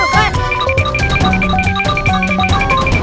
amin jangan amin